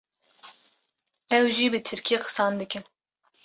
ew jî bi Tirkî qisan dikin.